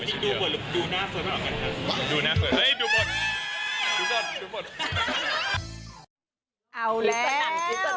จริงดูหน้าเฟิร์นเหมือนกันครับ